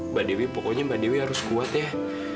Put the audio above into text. mbak dewi pokoknya mbak dewi harus kuat ya